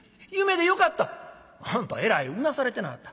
「あんたえらいうなされてなはった。